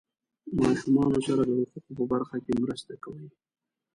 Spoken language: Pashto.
ماشومانو سره د حقوقو په برخه کې مرسته کوي.